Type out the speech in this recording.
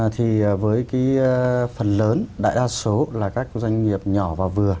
thì với cái phần lớn đại đa số là các doanh nghiệp nhỏ và vừa